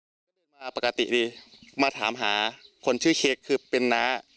ก็มาปกติดีมาถามหาคนชื่อเค้กคือเป็นน้า